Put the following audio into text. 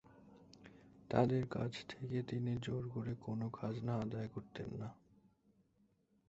তাদের কাছ থেকে তিনি জোর করে কোনো খাজনা আদায় করতেন না।